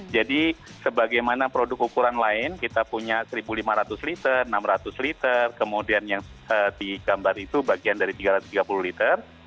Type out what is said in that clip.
jadi sebagaimana produk ukuran lain kita punya seribu lima ratus liter enam ratus liter kemudian yang di gambar itu bagian dari tiga ratus tiga puluh liter